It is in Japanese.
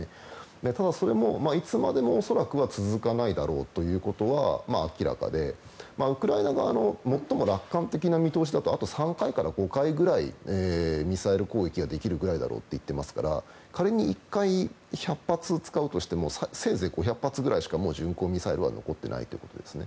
ただ、それも、いつまでも恐らく続かないだろうということは明らかでウクライナ側の最も楽観的な見通しだとあと３回から５回ぐらいミサイル攻撃ができるぐらいだろうと言っていますから仮に１回１００発使うとしてもせいぜい５００発くらいしか巡航ミサイルは残っていないということですね。